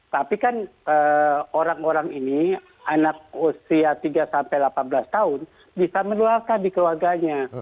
tapi kan orang orang ini anak usia tiga sampai delapan belas tahun bisa menularkan di keluarganya